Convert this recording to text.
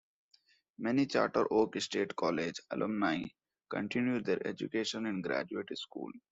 Many Charter Oak State College alumni continue their education in graduate school.